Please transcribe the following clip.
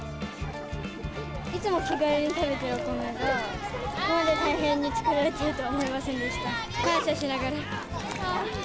いつも気軽に食べてるおコメが、ここまで大変に作られているとは思いませんでした。